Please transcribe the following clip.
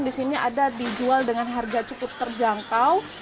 di sini ada dijual dengan harga cukup terjangkau